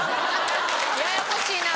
ややこしいな。